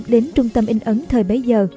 đến trung tâm in ấn thời bấy giờ